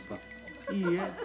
いいえ。